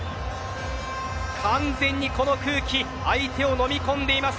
完全にこの空気相手をのみ込んでいます。